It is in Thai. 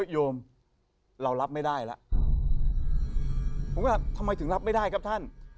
โยมเรารับไม่ได้แล้วผมก็ทำไมถึงรับไม่ได้ครับท่าน